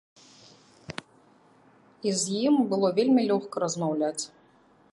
І з ім было вельмі лёгка размаўляць.